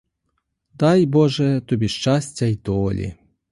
Дай, боже, тобі щастя й долі.